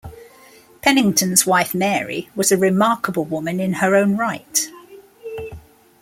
Penington's wife, Mary, was a remarkable woman in her own right.